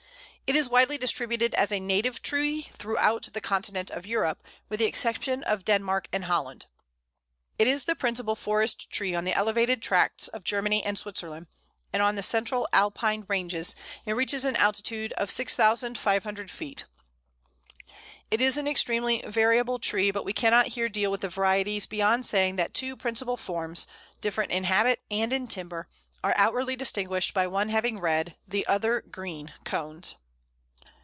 It is widely distributed as a native tree throughout the continent of Europe, with the exception of Denmark and Holland. It is the principal forest tree on the elevated tracts of Germany and Switzerland, and on the central Alpine ranges it reaches an altitude of 6500 feet. It is an extremely variable tree, but we cannot here deal with the varieties beyond saying that two principal forms, different in habit and in timber, are outwardly distinguished by one having red, the other green, cones.